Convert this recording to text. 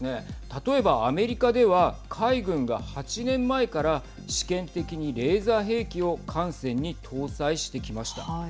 例えばアメリカでは海軍が８年前から試験的にレーザー兵器を艦船に搭載してきました。